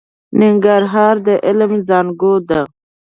ننګرهار د علم زانګو ده.